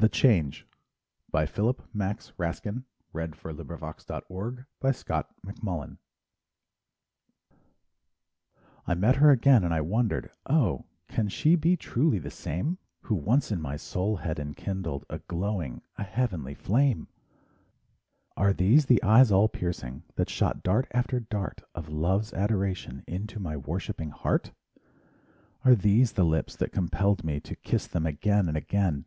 shall perish, Like Moses of old, from her kiss. SONGS AND DREAMS The Change I met her again, and I wondered, Oh, can she be truly the same, Who once in my soul had enkindled A glowing, a heavenly flame! Are these the eyes all piercing That shot dart after dart Of love and love's adoration Into my worshiping heart? Are these the lips that compelled me To kiss them again and again?